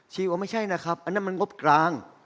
ว่าไม่ใช่นะครับอันนั้นมันงบกลาง